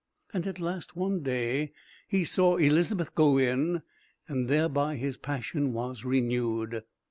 And at last one day he saw Elizabeth go in, and thereby his passion was renewed.